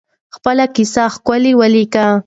خپله کیسه ښکلې ولیکئ.